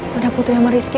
pada putri sama rizky